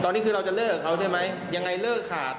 ตอนนี้คือเราจะเลิกกับเขาใช่ไหมยังไงเลิกขาด